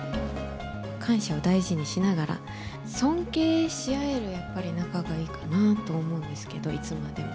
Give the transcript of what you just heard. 感謝を大事にしながら、尊敬し合えるやっぱり仲がいいかなと思うんですけど、いつまでも。